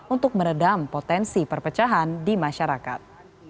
untuk meredam potensi perpecahan di masyarakat